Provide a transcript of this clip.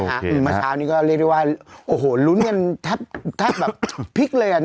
เมื่อเช้านี้ก็เรียกได้ว่าโอ้โหลุ้นกันแทบแบบพลิกเลย